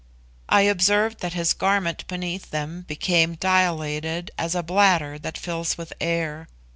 I observed that his garment beneath them became dilated as a bladder that fills with air.